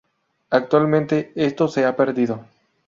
Actualmente esto se ha perdido.